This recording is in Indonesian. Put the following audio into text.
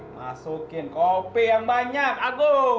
masukin kopi yang banyak agung